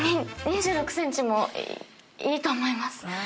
２６ｃｍもいいと思います。